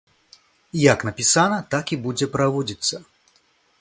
Як напісана, так і будзе праводзіцца.